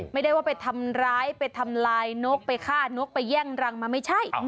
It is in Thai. ไม่ได้ว่าไปทำร้ายไปทำลายนกไปฆ่านกไปแย่งรังมันไม่ใช่